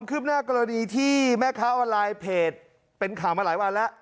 คืบหน้ากรณีที่แม่ค้าออนไลน์เพจเป็นข่าวมาหลายวันแล้ว